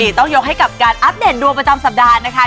ต้องยกให้กับการอัปเดตดวงประจำสัปดาห์นะคะ